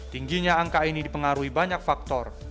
tingginya angka ini dipengaruhi banyak faktor